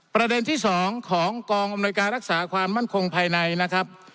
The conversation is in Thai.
ประเด็นที่๒ของกองอำนวยการรักษาความมั่นคงภายในนะครับ